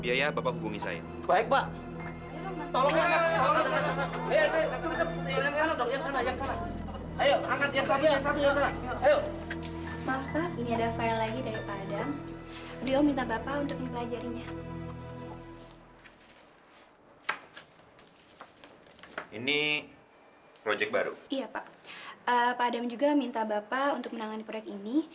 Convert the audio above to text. iya pak pak adam juga minta bapak untuk menangani proyek ini